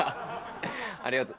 ありがとう。